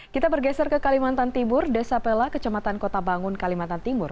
kita bergeser ke kalimantan timur desa pela kecamatan kota bangun kalimantan timur